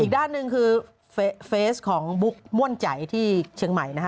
ด้านหนึ่งคือเฟสของบุ๊กม่วนใจที่เชียงใหม่นะฮะ